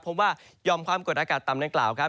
ว่ายอมความกดอากาศต่ำดังกล่าวครับ